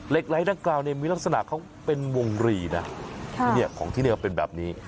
เหล็กไหล่ด้านกลางมีลักษณะเขาเป็นวงรีนะของที่นี่ก็เป็นแบบนี้